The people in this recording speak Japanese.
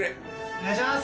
お願いします！